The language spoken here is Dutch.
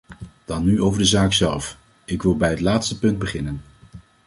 Dan nu over de zaak zelf: ik wil bij het laatste punt beginnen.